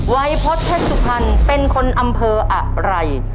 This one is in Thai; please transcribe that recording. วัยพจน์เพชรสุพรณเป็นคนอำเภออะไร